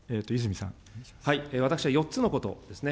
私は４つのことですね。